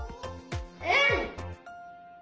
うん！